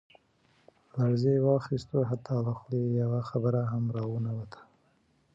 لړزې واخستو حتا له خولې يې يوه خبره هم را ونوته.